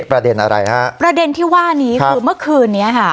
ประเด็นอะไรฮะประเด็นที่ว่านี้คือเมื่อคืนนี้ค่ะ